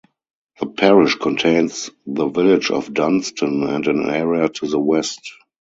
The parish contains the village of Dunston and an area to the west.